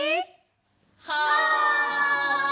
はい！